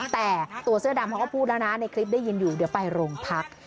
แต่ตัวเสื้อดำเขาก็พูดแล้วนะในคลิปได้ยินอยู่เดี๋ยวไปโรงพัก